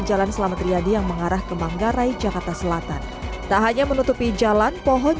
jalan selamat riyadi yang mengarah ke manggarai jakarta selatan tak hanya menutupi jalan pohon